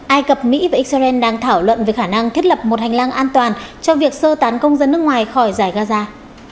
ai cập mỹ và israel đang thảo luận về khả năng thiết lập một hành lang an toàn cho việc sơ tán công dân nước ngoài khỏi giải gaza